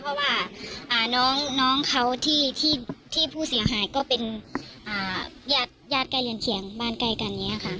เพราะว่าน้องเขาที่ผู้เสียหายก็เป็นญาติใกล้เรือนเคียงบ้านใกล้กันอย่างนี้ค่ะ